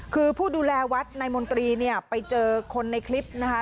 คือผู้ดูแลวัดนายมนตรีเนี่ยไปเจอคนในคลิปนะคะ